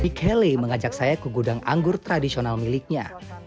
michele mengajak saya ke gudang anggur tradisional miliknya